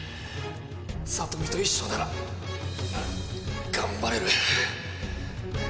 里美と一緒なら頑張れる。